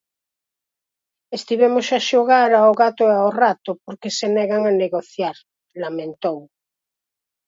"Estivemos a xogar ao gato e ao rato porque se negan a negociar", lamentou.